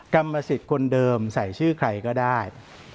กรรมสิทธิ์คนเดิมใส่ชื่อใครก็ได้